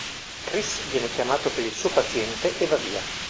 Chris viene chiamato per il suo paziente e va via.